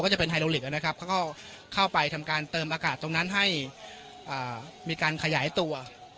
เข้าไปทำการเติมอากาศตรงนั้นให้มีการขยายตัว